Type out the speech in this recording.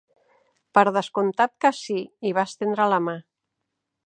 "Per descomptat que sí", i va estendre la mà.